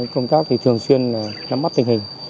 công tác thì thường xuyên nắm bắt tình hình